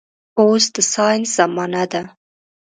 اوس د ساينس زمانه ده